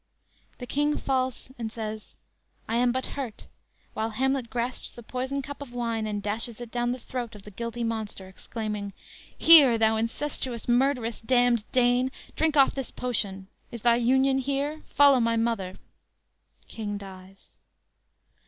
The King falls and says: "I am but hurt"; while Hamlet grasps the poisoned cup of wine and dashes it down the throat of the guilty monster, exclaiming: "Here, thou incestuous, murderous, damned Dane, Drink off this potion: is thy union here? Follow my mother!" (King dies.)